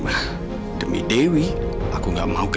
kalem mulha perhoja peng damages